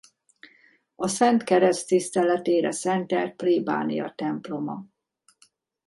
A Szent Kereszt tiszteletére szentelt plébániatemploma.